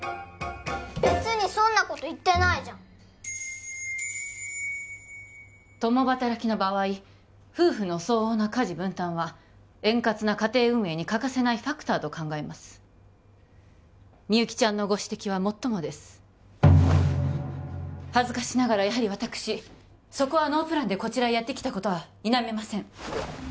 別にそんなこと言ってないじゃん共働きの場合夫婦の相応な家事分担は円滑な家庭運営に欠かせないファクターと考えますみゆきちゃんのご指摘はもっともです恥ずかしながらやはり私そこはノープランでこちらへやって来たことは否めません